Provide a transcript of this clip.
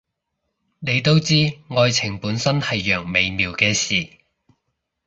你都知，愛情本身係樣微妙嘅事